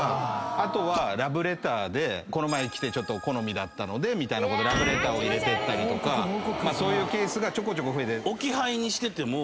あとはラブレターで「この前来て好みだったので」みたいなことラブレターを入れてったりとかそういうケースが増えてる。